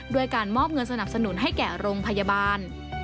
ด้วยการมอบเงินสนับสนุนให้แก่โรงพยาบาล